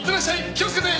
気をつけて。